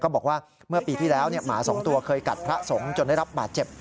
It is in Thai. บอกว่าเมื่อปีที่แล้วหมา๒ตัวเคยกัดพระสงฆ์จนได้รับบาดเจ็บ